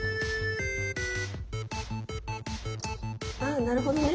あっなるほどね。